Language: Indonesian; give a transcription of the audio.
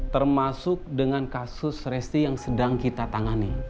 termasuk dengan kasus resti yang sedang kita tangani